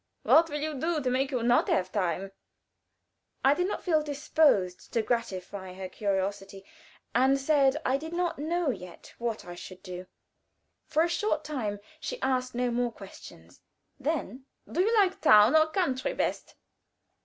"What will you do to make you not have time?" I did not feel disposed to gratify her curiosity, and said I did not know yet what I should do. For a short time she asked no more questions, then "Do you like town or country best?"